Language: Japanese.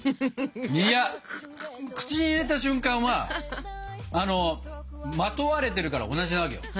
いや口に入れた瞬間はまとわれてるから同じなわけよ。